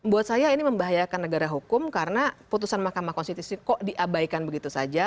buat saya ini membahayakan negara hukum karena putusan mahkamah konstitusi kok diabaikan begitu saja